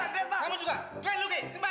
kerja tugas kalian